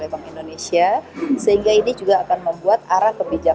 mungkin pernah dengar sobat rupiah